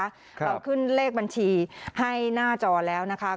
เราขึ้นเลขบัญชีให้หน้าจอแล้วนะคะ